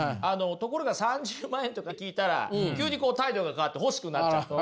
ところが３０万円とか聞いたら急に態度が変わって欲しくなっちゃった。